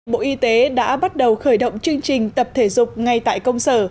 bộ y tế đã bắt đầu khởi động chương trình tập thể dục ngay tại công sở